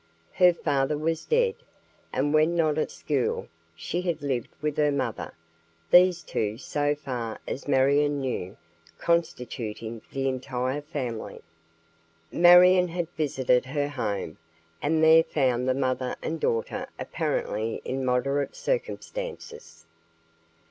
Her father was dead, and, when not at school, she had lived with her mother; these two, so far as Marion knew, constituting the entire family. Marion had visited her home, and there found the mother and daughter apparently in moderate circumstances.